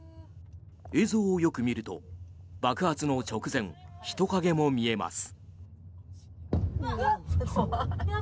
映像をよく見ると爆発の直前、人影も見えます。